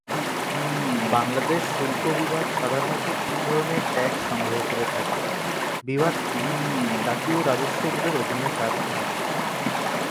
বাংলাদেশ শুল্ক বিভাগ সাধারণত তিন ধরনের ট্যাক্স সংগ্রহ করে থাকে, বিভাগটি জাতীয় রাজস্ব বোর্ডের অধীনে কাজ করে।